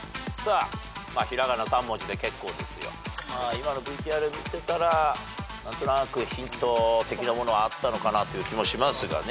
今のＶＴＲ見てたら何となくヒント的なものはあった気もしますが。